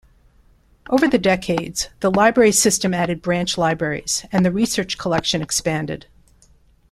Over the decades, the library system added branch libraries, and the research collection expanded.